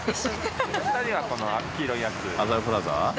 お二人はこの黄色いやつ？